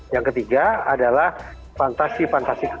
yang ketiga adalah fantasi fantasi